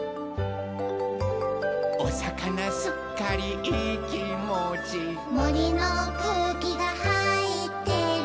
「おさかなすっかりいいきもち」「もりのくうきがはいってる」